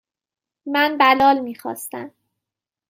من بلال میخواستم.